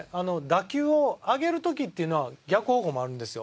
打球を上げる時っていうのは逆方向もあるんですよ。